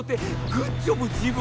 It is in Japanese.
グッジョブ自分。